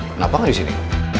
kenapa gak disini